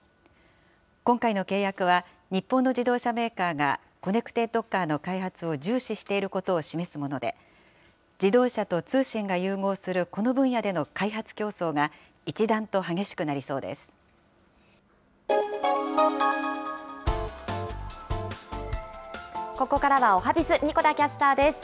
今回の契約は、日本の自動車メーカーがコネクテッドカーの開発を重視していることを示すもので、自動車と通信が融合するこの分野での開発競争が一段と激しくなりそうです。